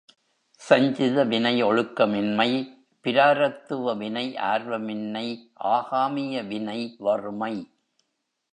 சஞ்சித வினை ஒழுக்கமின்மை பிராரத்துவ வினை ஆர்வமின்மை ஆகாமிய வினை வறுமை.